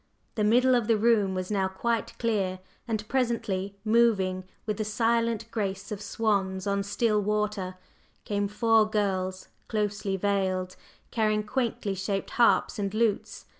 The middle of the room was now quite clear, and presently, moving with the silent grace of swans on still water, came four girls closely veiled, carrying quaintly shaped harps and lutes.